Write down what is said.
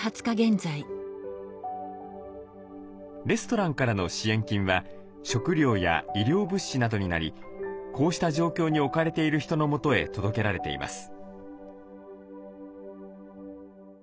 レストランからの支援金は食料や医療物資などになりこうした状況に置かれている人のもとへ届けられています。